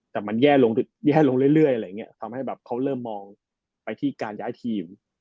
แต่มันแย่ลงแย่ลงเรื่อยอะไรอย่างนี้ทำให้แบบเขาเริ่มมองไปที่การย้ายทีม